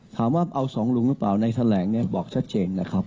ถามว่าเอาสองลุงหรือเปล่าในแถลงเนี่ยบอกชัดเจนนะครับ